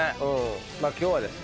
まあ今日はですね